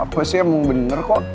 apa sih emang bener kok